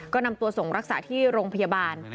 ก็นำตัวส่งรักษาที่โรงพยาบาล